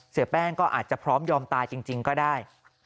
เสียแป้งก็อาจจะพร้อมยอมตายจริงก็ได้